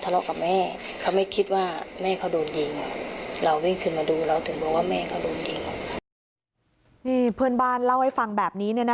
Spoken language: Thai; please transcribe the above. ทะเลาะกับแม่เขาไม่คิดว่าแม่เขาโดนยิงเราอดูเราแบบนี้นะ